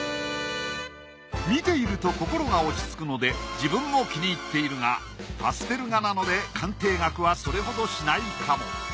見ていると心が落ち着くので自分も気に入っているがパステル画なので鑑定額はそれほどしないかも。